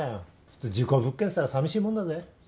普通事故物件つったら寂しいもんだぜ？